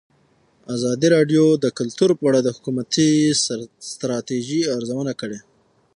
ازادي راډیو د کلتور په اړه د حکومتي ستراتیژۍ ارزونه کړې.